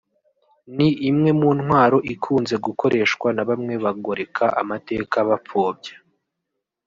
ni imwe mu ntwaro ikunze gukoreshwa na bamwe bagoreka amateka bapfobya